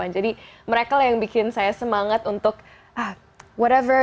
jadi mereka yang bikin saya semangat untuk apa pun